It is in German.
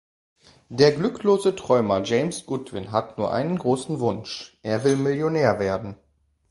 Der glücklose Träumer James Goodwin hat nur einen großen Wunsch, er will Millionär werden.